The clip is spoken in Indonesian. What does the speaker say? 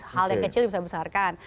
hal yang kecil bisa dibesarkan